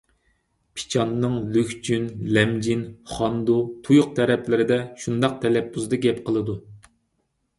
پىچاننىڭ لۈكچۈن، لەمجىن، خاندۇ، تۇيۇق تەرەپلىرىدە شۇنداق تەلەپپۇزدا گەپ قىلىدۇ.